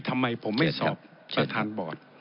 ทำไมผมไม่สอบประธานบอร์ด